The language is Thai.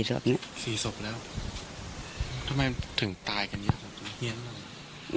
๔ศพแล้วทำไมถึงตายกันอย่างนี้